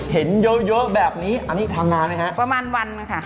เห็นเยอะเยอะแบบนี้อันนี้ทำงานไหมฮะประมาณวันค่ะ